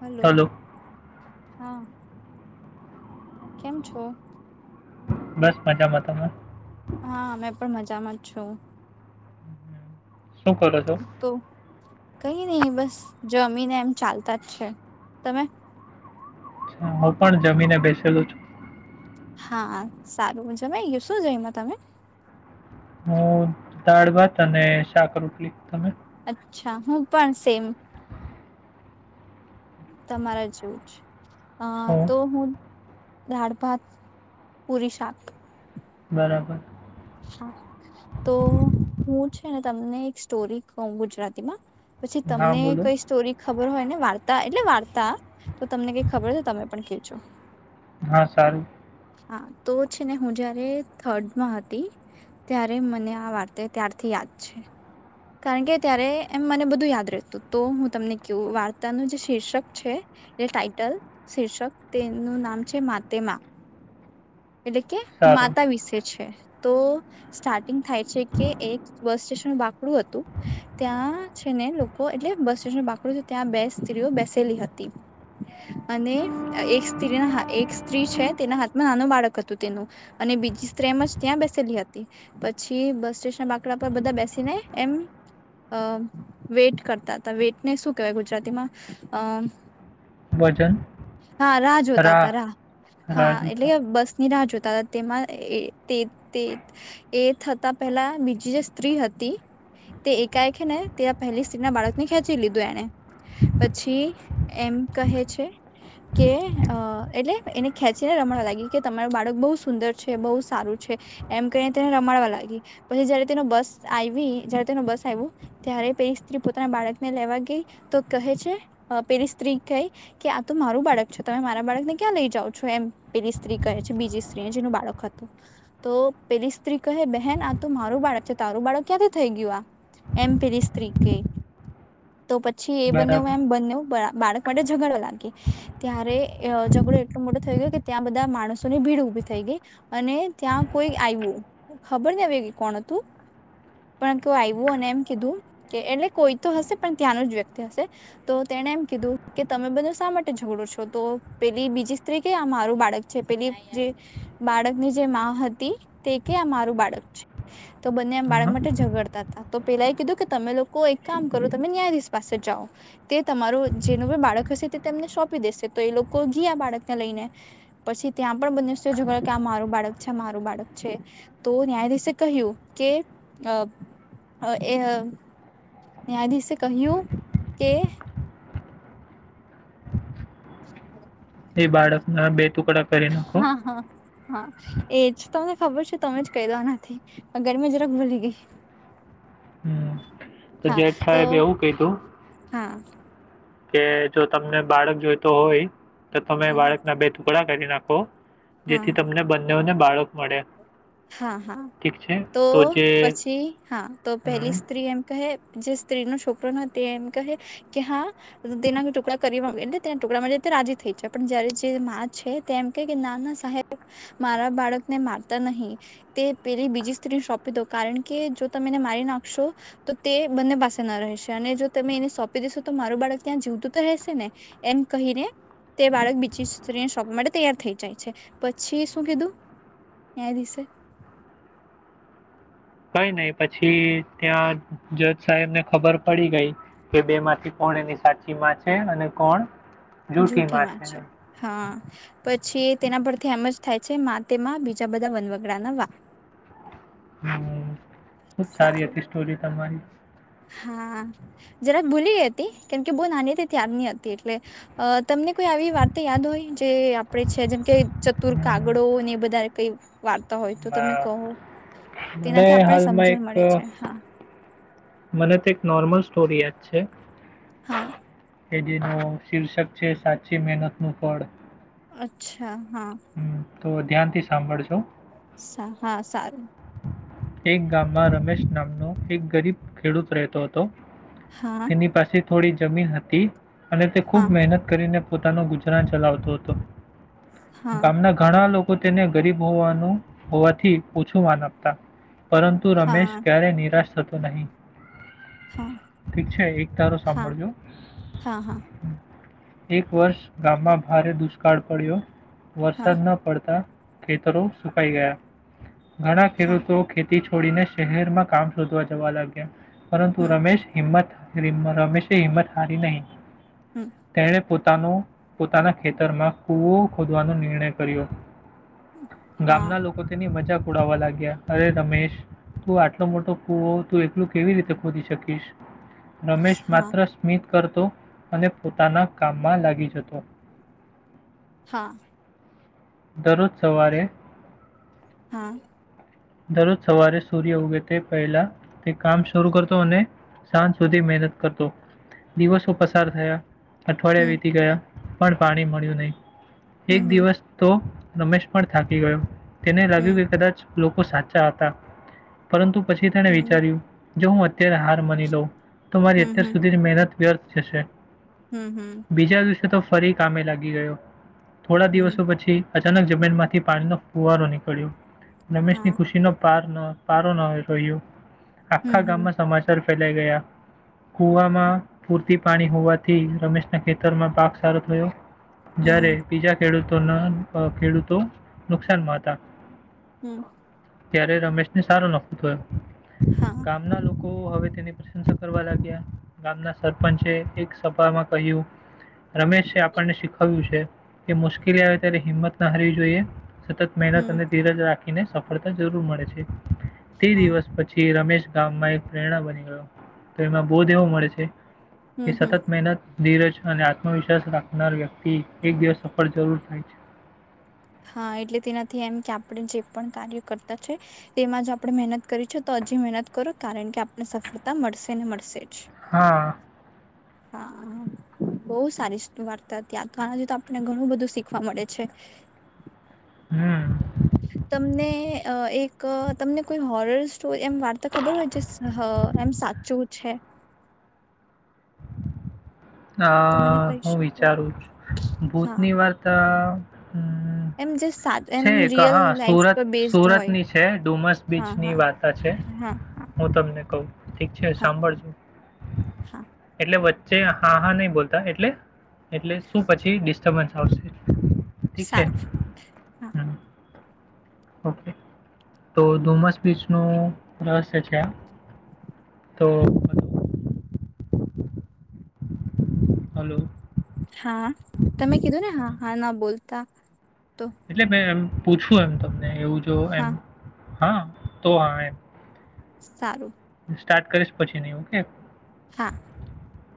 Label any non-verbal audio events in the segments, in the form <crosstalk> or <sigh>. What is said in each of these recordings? Hello હા કેમ છો. બસ મજામાં તમે છો શું કરો છો. તો કઈ નહિ બસ જમીન એમ ચાલતા જ છે તમે હું પણ જમીને બેસેલું છું. હા સારું જમે ગયું શું જઈમાં તમે હું દાળ ભાત અને શાક રોટલી તમે અચ્છા હું પણ સેમ તમારે જેવું છે. અ શું તો હું દાળ ભાત પુરી શાક બરાબર હા તો હું છે ને તમને એક સ્ટોરી કવ ગુજરાતીમાં પછી હા તમને બોલો કઈ સ્ટોરી ખબર હોય ને વાર્તા એટલે વાર્તા તો તમને કઈ ખબર છ હોય તમે પણ કેજો હા સારું હા તો છેને હું જારે થર્ડમાં હતી ત્યારે મને આ વાર્તા ત્યારથી યાદ છે કારણ કે ત્યારે એમ મને બધું યાદ રહેતું તો હું તમને કેવું વાર્તાનું જે શીર્ષક છે એલે ટાાઈટલ શીર્ષક તેનું નામ છે માતેમા એટલે કે સારું માતા વિશે છે. તો સ્ટાર્ટિંગ થાય છે કે એક બસ સ્ટેશનનું બાકડું હતું ત્યાં છે ને લોકો એટલે બસ સ્ટેશનનું બાકડું હતું ત્યાં બે સ્ત્રીઓ બેસેલી હતી અને એક સ્ત્રી એક સ્ત્રી છે તેના હાથમાં નાનો બાળક હતું તેનું અને બીજી સ્ત્રી એમ જ ત્યાં બેસેલી હતી પછી બસ સ્ટેશન બાકડા પર બધા બેસીને એમ અ વેટ કરતા હતા વેટને શું કેહેવાય ગુજરાતીમાં અ વજન હા રાહ જોતા હતા રાહ હા રાજુતા એટલે બસ નિરાહ જોતા હતા તેમાં એ તે એ થતા પહેલા બીજી જે સ્ત્રી હતી તે એકાએક ને તેના પહેલી સ્ત્રી ના બાળકને ખેંચી લીધું એને પછી એમ કહે છે કે એટલે એને ખેંચીને રમવા લાગી કે તમારું બાળક બહુ સુંદર છે બહુ સારું છે એમ કને તેને રમાડવા લાગી પછી જયારે તેનો બસ આવી જયારે તેનો બસ આવ્યું ત્યારે પેરી સ્ત્રી પોતાના બાળકને લેવા ગઈ તો કહે છે પેલી સ્ત્રી કહી કે આ તું મારું બાળક છે તમે મારા બાળકને ક્યાં લઈ જાવ છો એમ પેલી સ્ત્રી કહે છે બીજી સ્ત્રી જેનું બાળક હતું, તો પેલી સ્ત્રી કહે બહેન આ તો મારું બાળક છે તારું બાળક ક્યાંથી થઈ ગયું આ, એમ પેલી સ્ત્રી ક. તો પછી એ બન્યું બરાબર મેમ બન્યું બાળક માટે ઝઘડો લાગી, ત્યારે ઝઘડો એટલો મોટો થઈ ગયો કે ત્યાં બધા માણસોની ભીડ ઉભી થઈ ગઈ, અને ત્યાં કોઈ આવું ખબર નહી આવી કોણ હતું, પણ કોઈ આવું અને એમ કીધું કે એટલે કોઈ તો હશે પણ ત્યાંનું જ વ્યક્તિ હશે, તો તેણે એમ કીધું કે તમે બધું શા માટે ઝઘડો છો તો પેલી બીજી સ્ત્રી કે આ મારું બાળક છે, પેલી જે બાળકની જે માં હતી તે કે આ મારું બાળક છે, તો બંને આમ બાળક હા માટે ઝઘડતા હતા તો પેલા એ કીધું કે તમે લોકો એક કામ કરો તમે ન્યાયાધીશ પાસે જાઓ, તે તમારું જેનું બાળક હશે તે તેમને સોંપી દેશે તો એ લોકો ઘી આ બાળકને લઈને. પછી ત્યાં પણ બન્યું છે જો કે આ મારું બાળક છે મારું બાળક છે, તો ન્યાયાધીશે કહ્યું કે એ ન્યાયાધીશે કહ્યું કે એ બાળક ના બે ટુકડા કરી નાખો. હા હા હા એજ તમને ખબર છે તમે જ કહી દેવા નથી ગરમી જરાક ભૂલી ગઈ. હમ. તો જેઠ સાહેબે એવું ક તું હા કે જો તમને બાળક જોઈતો હોય. તો તમે હા બાળક ના બે ટુકડા કરી નાખો. હા જેથી તમને બંધ ને બાળક મળે. હા હા ઠીક છે તો જે પછી હા તો પેલી હમ સ્ત્રી એમ કહે જે સ્ત્રીનો છોકરો ન તે એમ કહે, કે હા તેના ટુકડા કર એટલે તેના ટુકડામાં રાજી થઈ છે પણ જયારે જે માં છે તે એમ કહે કે ના ના સાહેબ, મારા બાળક ને મારતા નહી. તે પેલી બીજી સ્ત્રીને સોંપી દો કારણ કે જો તમે એને મારી નાખશો, તો તે બંને પાસે ના રહેશે અને જો તમે એને સોંપી દેેશો તો મારું બાળક ત્યાં જીવતું તો રહેશે ને, એમ કહીને તે બાળક બીજી સ્ત્રીને સોંપવા માટે તૈયાર થઈ જાય છે, પછી શું કીધું ત્યા દસે કઈ નઈ પછી ત્યાં જજ સાહેબ ને ખબર પડી ગઈ કે બે માંથી કોણ એની સાચી માં છે અને કોણ જૂઠી માં જૂઠીમાં છે હા. પછી તેના પરથી એમ જ થાય છે મા તેમાં બીજા બધા વનવગડાના વા. હમ ખુબ સારી સારું હતી સ્ટોરી તમારી. હા, જરા ભૂલી ગઈ હતી કેમકે બહુ નાની તે ત્યાર ન હતી એટલે, તમને કોઈ આવી વાર્તા યાદ હોય જે આપણે છે જેમ કે ચતુર હમ, કાગડો ને એ બધા કઈ વાર્તા હોય તો તમે આ કહો. મને તેનાથી આપણને હાલમાં સમજણ એક મળે અ, છે હા. મને તો એક નોર્મલ સ્ટોરી યાદ છે. હા. કે જે ન શીર્ષક છે સાચી મહેનત નું ફળ. અચ્છા. હા હમ. તો ધ્યાનથી સાંભળજો. સા હા સારું. એક ગામમાં રમેશ નામનો એક ગરીબ ખેડૂત રહેતો હતો. હા તની પાસે થોડી જમીન હતી. અને તે હા ખુબ મહેનત કરીને પોતાનો ગુજરાન ચલાવતો હતો. હા ગામના ઘણા લોકો તેને ગરીબ હોવાનું હોવાથી ઓછું માન આપતા. પરંતુ રમેશ હા ક્યારે નિરાશ થતો તો નહીં હા ઠીક છે એક તારો હા સાંભળજો હા હા એક વર્ષ ગામમાં ભારે દુષ્કાળ પડ્યો હા વરસાદ ના પડતા ખેતરો સુકાઈ ગયા ઘણા હા ખેડૂત ખેતી છોડીને શહેર માં કામ શોધવા જવા લાગ્યા પરંતુ હમ રમેશ હિંમત રમેશે હિમત હારી નહીં હમ તેણે પોતાનુ પોતાના ખેતરમાં કૂવો ખોદવાનો નિર્ણય કર્યો હા ગામના લોકો તેની મજા પૂડાાવવા લાગ્યા. અરે રમેશ તું આટલો મોટો કુવ તું એકલું કેવી રીતે ખોદી શકીશ. રમેશ હા માત્ર સ્મિત. કરતો અને પોતાના કામમાં લાગી જતો. હા. દરરોજ સવારે હા. દરરોજ સવારે સૂર્ય ઉગે તે પહેલા તે કામ શરૂ કરતો અને સાંજ સુધી મહેનત કરતો દિવસો પસાર થયા. અઠવાડિયા હમ વીતી ગયા. પણ પાણી મળ્યું નહી. એક હમ હમ દિવસ તો. રમેશ પણ થાકી ગયો. તેને લાગ્યું હમ કે કદાચ. લોકો સાથે. હતા પરંતુ પછી તેને હમ વિચાર્યુ. જો હું અત્યારે હાર માની લોઉં તમારી હમ અત્યાર હમ સુધી જ મહેનત વ્યર્થ જશે. હમ હમ બીજા દિવસે તો ફરી કામે લાગી ગયો. થોડા હમ દિવસો પછી. અચાનક જમીન માંથી પાણીનો ફુવારો નીકળ્યો. રમેશ હા ની એ નો પાર ન પારો ન હોયૂ. હમ આખા હમ ગામમાં સમાચાર ફેલાઈ ગયા કુવામાં પૂરતી પાણી હોવાથી રમેશના ખેતરમાં પાક સારો થયો. હમ જ્યારે હમ બીજા ખેડૂત તો ન ખેડૂતો નુકસાનમાં હતા. હમ્મ. ત્યારે રમેશ ને સારો નફો થયો. હા ગામના લોક કો હવે તેની પ્રશંસા કરવા લાગ્યા ગામના સરપંચે એક સભામાં કહ્યું રમેશે આપણને શીખવ્યું છે કે મુશ્કેલી આવે ત્યારે હિંમત ના હારવી જોઈએ. સતત મહેનત હમ અને ધીરજ રાખ. એને સ ફડતા જરૂર મળે છે. તે હા દિવસ પછી રમેશ ગામમાં એક પ્રેરણા બની ગયો તો એમાં બોધ એવો મળે છે. કે હમ હમ સતત મહેનત ધીરજ અને આત્મવિશ્વાસ રાખનાર વ્યક્તિ એક દિવસ સફળ જરૂર થાય છે. હા એટલે તેનાથી એમ કે આપણે જે પણ કાર્ય કરતા છે તેમાં જ આપણે મહેનત કરી છે તો હજી મહેનત કરો કારણ કે આપને સફળતા મળશે ને મળશે. જ હા. હા બો સારી સ વાર્તા હતી આ તો આનાથી તો આપને ઘણું બધું શીખવા મળે છે. હમ્મ. તમને અ એક તમને કોઈ હોરર સ્ટોરી એમ વાર્તા ખબર હોય છે એમ સાચું છે. અ તો મને કહી હું શકો વિચારું છું હા ભૂતની વારતા હમ્મ એમ જે સાદું એમ છે એક રિયલ હા લાઈફ સુરત પર બેઝડ હોય સુરતની છે ડુમસ હા બીચની હા વાર્તા છે હા હા હું તમને કઉ. ઠીક છે હા સાંભળજો હા એટલે વ <unintelligible> હા હા નહીં બોલતા એટલે એટલે શું પછી ડી તમન થાવસે સારું હા. <inaudible> ઓ કે તો ધુમસ બીચનું રહસ્ય છે આ. તો હાલો. હા તમે કીધું ને હા હા ના બોલતા. તો એટલે મે એમ પૂછું એમ તો ને એવું જો એમ હા હા તો આએ સારું સ્ટાર્ટ કરીશ પછી નિયુ હું કે હા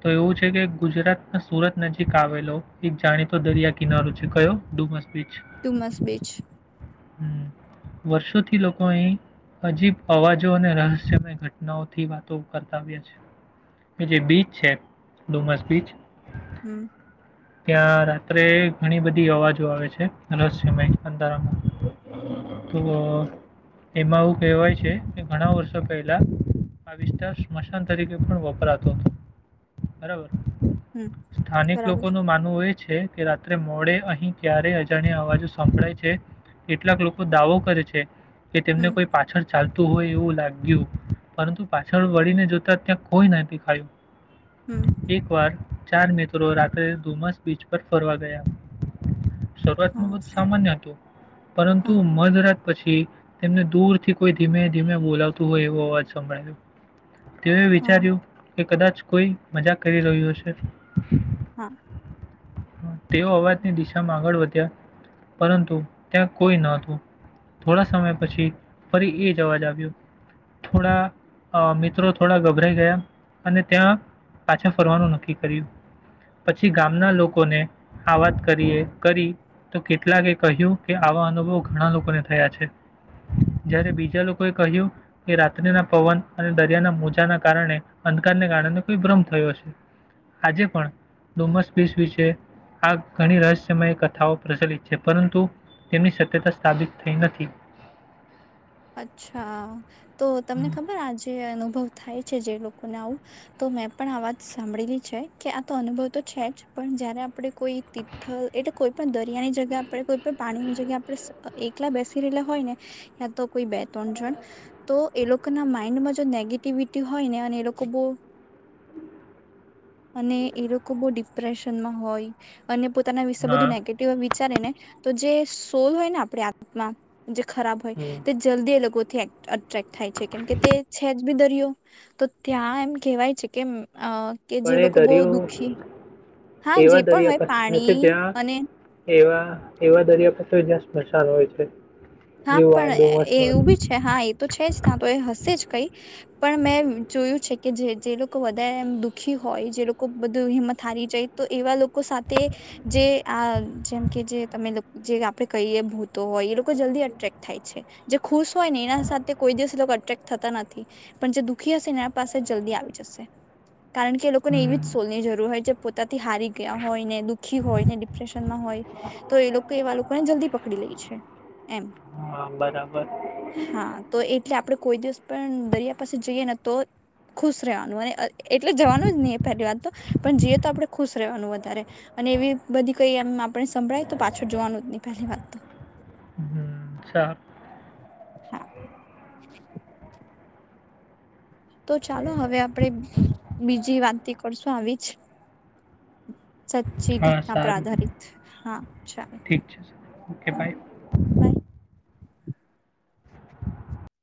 તો એવું છે કે ગુજરાત સુરત નજીક આવેલો એક જાણીતો દરિયા કિનારો છે કયો ડુમસ બીચ ડુમસ બીચ હુ વર્ષોથી લોકો અહી અજીબ અવાજો અને રહસ્યમય ઘટ નવ થી વાતો કરતા આવ્ય છે કે જે બીચ છે ડુમસ બીચ હમ ત્યાં રાત્રે ઘણી બધી અવાજો આવે છે રહસ્મય અંધારામાં તો એમાં એવું કહેવાય છે કે ઘણા વર્ષો પહેલા આ વિસ્તાર સ્મશાન તરીકે પણ વપરાતો બરાબર હુ હમ સ્થાનિક બરાબર લોકો નું માનવું એ છે કે રાત્રે મોડે અહી ક્યારે અજાણ્યા અવાજો સંભળાય છે કેટલાક લોકો દાવો કરે છે કે તેમને હમ કોઈ પાછળ ચાલતું હોય એવું લાગ્યું પરંતુ પાછળ વળીને જોતા ત્યાં કોઈ ના દેખાયું હમ એક વાર ચાર મિત્રો રાત્રે ધુમ્મસ બીચ પર ફરવા ગયા શરૂઆત નુ હા નુ સામાન્ય હતું પરંતુ હા મધ રાત પછી તેમને દૂર થી કોઈ ધીમે ધીમે બોલાવતું હોય એવો અવાજ સંભળાય રુ તે હા વિચાર્યું કે કદાચ કોઈ મજા કરી રહ્યું હશે હા તેઓ અવાજની દિશામાં આગળ વધ્યા પરંતુ ત્યાં કોઈ ન હતું થોડા સમય પછી ફરી એ જ અવાજ આવ્યો થોડા અ મિત્રો થોડા ગભરાઈ ગયા અને ત્યાં પાછા ફરવાનું નક્કી કર્યું પછી ગામના લોકોને આ વાત કરીએ કરી તો કેટલાકે કહ્યું કે આવા અનુભવ ઘણા લોકોને થયા છે જય્યારે બીજા લોકોએ કહ્યું કે રાત્રેના પવન અને દરિયાના મોજાના કારણે અંધકારને કારણે કોઈ ભ્રમ થયો હશે આજે પણ ડુમસ બીચ વિશે આ ઘણી રહસ્યમય કથાઓ પ્રચલિત છે પરંતુ તેમની સત્યતા સાથબિત થઈ નથી અચ્છા તો તમને ખબર આ જે અનુભવ થાય છે જે લોકોને આવું તો મેં પણ આ વાત સાંભળેલી છે કે આ તો અનુભવ તો છે જ પણ જયારે આપડણે કોઈ તિથલ એટલે કોઈ પણ દરિયાની જગ્યા આપણે કોઈ પણ પાણીની જગ્યા આપણે એકલા બેસી રહેલા હોય ને યા તો કોઈ બે ત્રણ જણ તો એ લોકો ના માઈન્ડમાં જો નેગેટિવિટી હોય ને અને એ લોકો બહુ અને એ લોકો બહુ ડિપ્રેશનમાં હોય અને્ પોતાના વિશે બધું હા નેગેટિવ વિચારે ને તો જે સોલ હોય ને આપણે આત્મા જે ખરાબ હોય ઘે લોકો થેક અથ ટ્રેક થાય છે કેમ કે તે છે જ બી દરિયો તો ત્યાં એમ કેવાય છે કેમ અ કે જે પણ એ લોકો બહુ દરિયો દુઃખી હા જે એવા પણ દરિયા હોય પાસે થાય છે પાણી જ્યાં અને એવા એવા દરિયા પાછુ જ્યાં સ્મશાન હોય છે હા જેવું આ પણ ડુમસમાં એવું હતું. બી છે હા એ તો છે જ ત્યાં તો એ હશે જ કઈ પણ મેં જોયું છે. કે જે જે લોકો વધારે એમ દુઃખી હોય જે લોકો બધું હિંમત હારી જાય તો એવા લોકો કો સાથે જે આ જેમ કે જે તમે જે આપડે કહીએ ભૂતો હોય એ લોકો જલ્દી ક થાય છે જે ખુશ હોય ને એના સાથે કોઈ દિવસ એટ્રેક થતા નથી પણ જે દુઃખી હશે એ પાસે જલ્દી આવી જશે કારણ કે એ લોકોને એવી હમ, જ સોલની જરૂર હોય છે. પોતાથી હારી ગયા હોય ને દુઃખી હોય ને ડિપ્રેશનમાં હોય તો એ લોકો એવા લોકોને જલ્દી પકડી લે છે એમ હા બરાબર હા તો એટલે આપડે કોઈ દિવસ પણ દરિયા પાસે જઈએ ને તો ખુશ રેવાનું અને અને એટલે જવાનું જ નહી પહેલી વાત તો પણ જઈએ તો આપણે ખુશ રહેવાનું વધારે અને એવી બધી કઈ એમ આપ સંભળાય તો પાછળ જોવાનું જ નહી પહેલી વાત તો છા હા તો ચાલો હવે આપડે બીજી વાતથી કરશું આવી <unintelligible> સાચચી હા ઘટના પર સારું આધારિત હા ચાલો ઠીક છે ઓકે હા બાય બાય